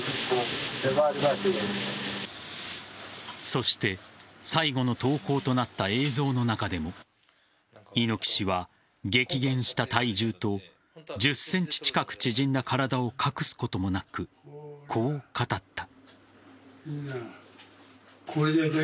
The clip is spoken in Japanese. そして最後の投稿となった映像の中にも猪木氏は激減した体重と１０ｃｍ近く縮んだ身長を隠すこともなくこう語った。